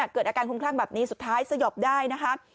เกิดอาการคุ้มคลั่งแบบนี้สุดท้ายสยบได้นะคะ